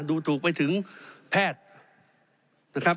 ดูถูกไปถึงแพทย์นะครับ